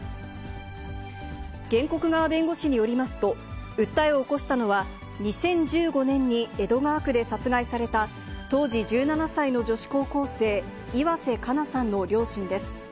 原告側弁護士によりますと、訴えを起こしたのは、２０１５年に江戸川区で殺害された、当時１７歳の女子高校生、岩瀬加奈さんの両親です。